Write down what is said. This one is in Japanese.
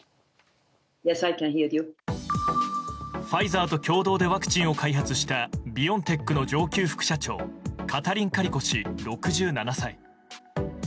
ファイザーと共同でワクチンを開発したビオンテックの上級副社長カタリン・カリコ氏、６７歳。